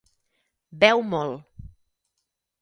Beu molt.